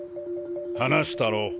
話したろ？